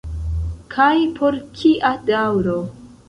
Kaj por kia daŭro.